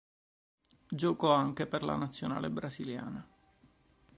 Giocò anche per la Nazionale brasiliana.